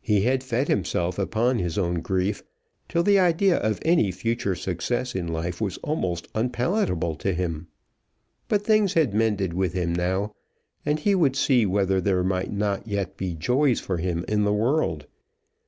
He had fed himself upon his own grief, till the idea of any future success in life was almost unpalatable to him. But things had mended with him now, and he would see whether there might not yet be joys for him in the world.